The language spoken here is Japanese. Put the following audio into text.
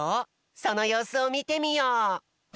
そのようすをみてみよう！